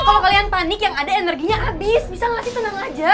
kalo kalian panik yang ada energinya abis bisa gak sih tenang aja